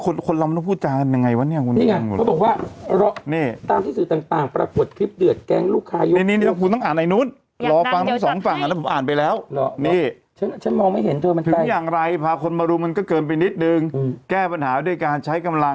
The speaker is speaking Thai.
โดยไปใช้เก้าอี้เนี่ยนะครับทุ่มไปที่เจ้าหน้าที่หญิง